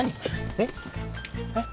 えっ？えっ？